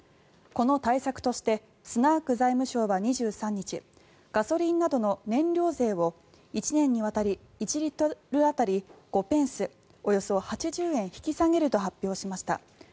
この対策としてスナーク財務相は２３日ガソリンなどの燃料税を１年にわたり１リットル当たり５ペンスおよそ８０円引き下げると発表しました。